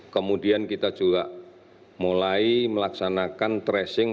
kemudian kita juga mulai melaksanakan tracing